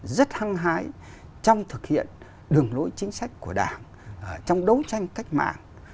rất hăng hái trong thực hiện đường lối chính sách của đảng trong đấu tranh cách mạng